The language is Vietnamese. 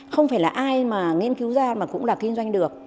không phải là ai mà nghiên cứu ra mà cũng là kinh doanh được